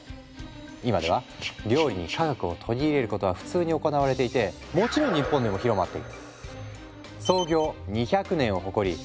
今では料理に科学を取り入れることは普通に行われていてもちろん日本でも広まっている。